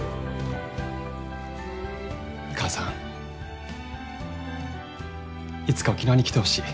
母さんいつか沖縄に来てほしい。